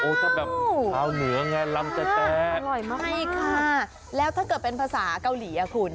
โอ้จะแบบเผาเหนือไงลำแต๊ะแต๊ะอร่อยมากใช่ค่ะแล้วถ้าเกิดเป็นภาษาเกาหลีอ่ะคุณ